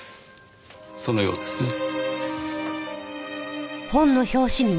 そのようですね。